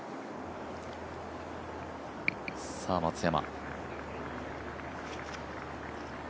さあ、松山。